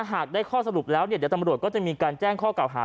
หากได้ข้อสรุปแล้วเดี๋ยวตำรวจก็จะมีการแจ้งข้อเก่าหา